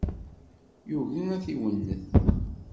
Yugi ad d-iwennet.